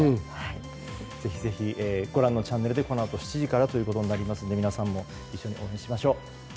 ぜひ、ご覧のチャンネルでこのあと７時からですので皆さんも一緒に応援しましょう。